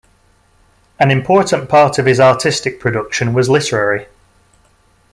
An important part of his artistic production was literary.